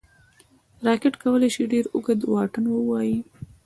راکټ کولی شي ډېر اوږد واټن ووايي